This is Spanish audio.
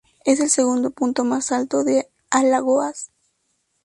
Es el segundo punto más alto de Alagoas.